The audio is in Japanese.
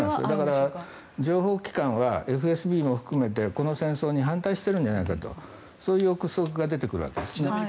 だから情報機関はＦＳＢも含めてこの戦争に反対しているんじゃないかとそういう臆測が出てくるわけですね。